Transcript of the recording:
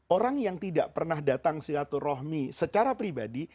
orang yang tidak pernah datang silaturahmi secara pribadi